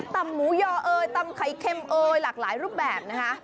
หมูยอเอยตำไข่เค็มเอ้ยหลากหลายรูปแบบนะคะ